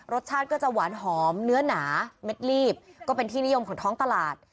รสชาติก็จะหวานหอมเนื้อหนาเม็ดลีบก็เป็นที่นิยมของท้องตลาด